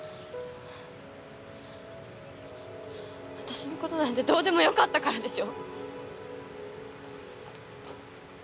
私のことなんてどうでもよかったからでしょ。